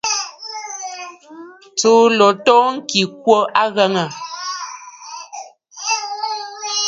Tsùu ló too ŋkì ɨ kwo a aghəŋə̀.